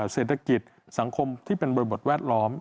เศรษฐกิจสังคมที่เป็นบริบทแวดล้อม